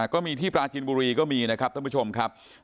ก็มีที่ปราจินบุรีก็มีนะครับท่านผู้ชมครับ